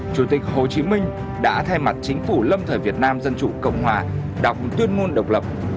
chủ tịch hồ chí minh đã thay mặt chính phủ lâm thời việt nam dân chủ cộng hòa đọc tuyên ngôn độc lập